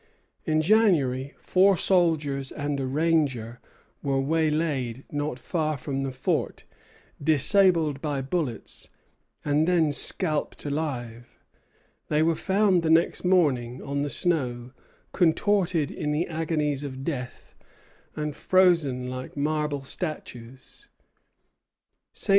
In January four soldiers and a ranger were waylaid not far from the fort, disabled by bullets, and then scalped alive. They were found the next morning on the snow, contorted in the agonies of death, and frozen like marble statues. St.